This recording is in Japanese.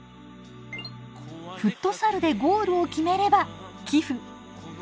フットサルでゴールを決めれば寄付。